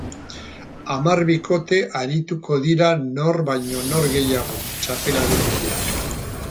Hamar bikote arituko dira nor baino nor gehiago, txapelaren bila.